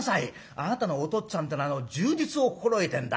あなたのおとっつぁんってのは柔術を心得てんだ。